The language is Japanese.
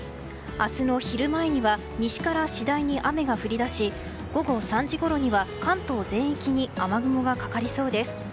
明日の昼前には西から次第に雨が降り出し午後３時ごろには関東全域に雨雲がかかりそうです。